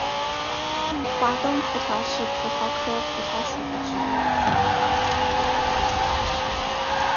华东葡萄是葡萄科葡萄属的植物。